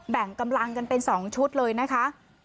แบ่งกำลังกันเป็น๒ชุดเลยนะคะ